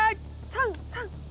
３３。